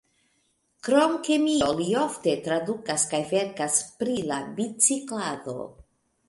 Krom kemio li ofte tradukas kaj verkas pri la biciklado.